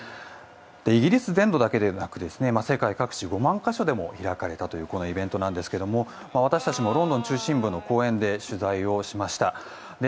イギリス全土だけでなく世界各地５万か所でも開かれたこのイベントですが私たちもロンドン中心部の公園で取材をしました。